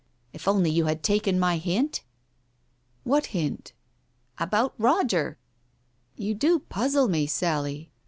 If only you had taken my hint ?" "What hint?" "About Roger." "You do puzzle me, Sally. .